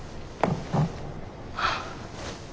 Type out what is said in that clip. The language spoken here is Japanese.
はあ。